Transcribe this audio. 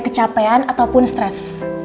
kecapean ataupun stres